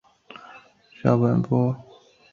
校本部位于日本千叶县千叶市。